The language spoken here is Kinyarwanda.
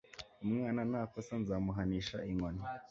umwana nakosa nzamuhanisha inkoni